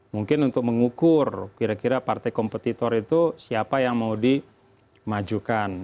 mungkin untuk mengukur kira kira partai kompetitor itu siapa yang mau dimajukan